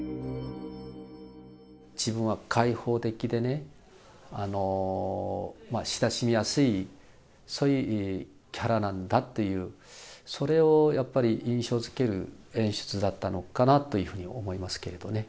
自分は開放的で親しみやすい、そういうキャラなんだっていう、それをやっぱり印象づける演出だったのかなというふうに思いますけれどね。